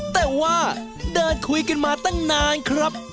แต่ว่าเดินคุยกันมาตั้งนานครับ